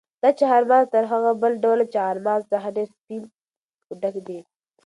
دا چهارمغز تر هغه بل ډول چهارمغز ډېر سپین او ډک دي.